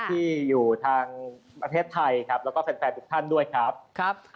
ที่อยู่ทางประเทศไทยครับแล้วก็แฟนทุกท่านด้วยครับ